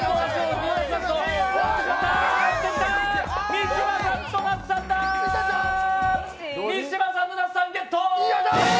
三島さんと那須さん、ゲット！